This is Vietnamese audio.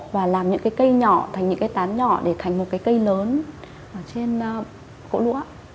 và làm những cây nhỏ thành những tán nhỏ để thành một cây lớn trên gỗ lũa